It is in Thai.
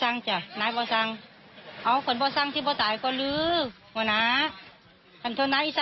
น้ายเรียกสร้างจ้ะ